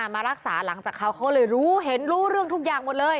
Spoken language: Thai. มารักษาหลังจากเขาเขาเลยรู้เห็นรู้เรื่องทุกอย่างหมดเลย